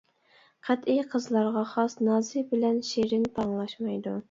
قەتئىي قىزلارغا خاس نازى بىلەن شېرىن پاراڭلاشمايدۇ.